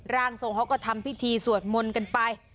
ร่างทรงเขาก็ทำพิธีสวดมนต์กันไป